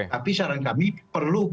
tapi saran kami perlu